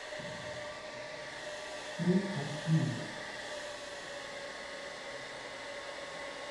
Free and Easy